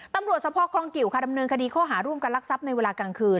สะพอครองกิวค่ะดำเนินคดีข้อหาร่วมกันลักทรัพย์ในเวลากลางคืน